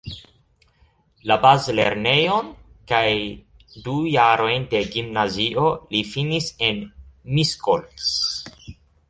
La bazlernejon kaj du jarojn de gimnazio li finis en Miskolc.